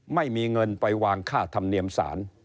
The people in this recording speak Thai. ไม่มีเงินไปวางค่าธรรมเนียมศาล